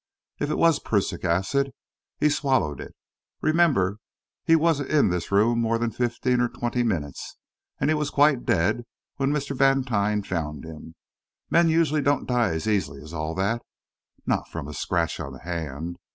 If it was prussic acid, he swallowed it. Remember, he wasn't in this room more than fifteen or twenty minutes, and he was quite dead when Mr. Vantine found him. Men don't die as easily as all that not from a scratch on the hand.